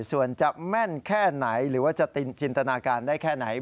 ส่วนจะแม่นแค่ไหนหรือว่าจะตินจินตนาการได้แค่ไหน